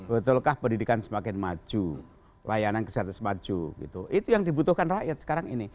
betulkah pendidikan semakin maju layanan kesehatan maju gitu itu yang dibutuhkan rakyat sekarang ini